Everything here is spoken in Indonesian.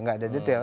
tidak secara detail